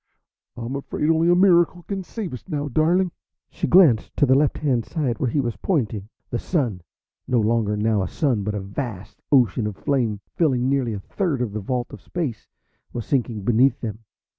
I'm afraid only a miracle can save us now, darling." She glanced to the left hand side where he was pointing. The Sun, no longer now a sun, but a vast ocean of flame filling nearly a third of the vault of Space, was sinking beneath them.